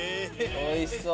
おいしそう！